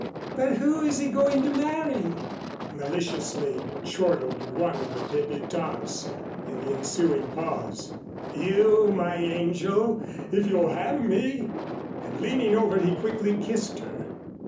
"But who is he going to marry?" maliciously chortled one of the débutantes, in the ensuing pause. "You, my angel, if you'll have me?" and leaning over he quickly kissed her.